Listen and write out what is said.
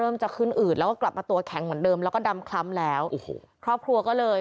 มันกำคล้ำแล้วครอบครัวก็เลย